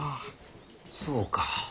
そうか？